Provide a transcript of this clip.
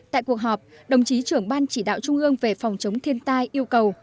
tại cuộc họp đồng chí trưởng ban chỉ đạo trung ương về phòng chống thiên tai yêu cầu